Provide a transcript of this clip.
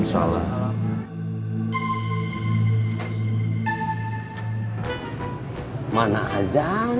assalamualaikum warahmatullahi wabarakatuh